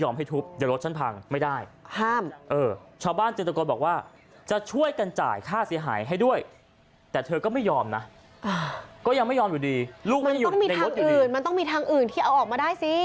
มันต้องมีทางอื่นมันต้องมีทางอื่นที่เอาออกมาได้สิ